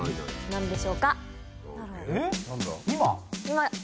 何でしょうか？